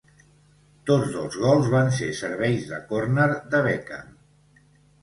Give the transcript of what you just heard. Tots dos gols van ser serveis de córner de Beckham.